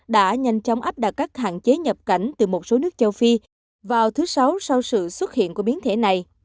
đã nhanh chóng áp đặt các hạn chế nhập cảnh từ một số nước châu phi vào thứ sáu sau sự xuất hiện của biến thể này